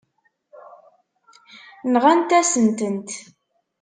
Nɣant-asen-tent.